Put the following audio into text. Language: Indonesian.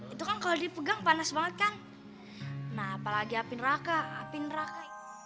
itu kan kalau dipegang panas banget kan nah apalagi api neraka api neraka